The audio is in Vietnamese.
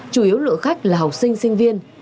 chủ yếu lượng khách là học sinh sinh viên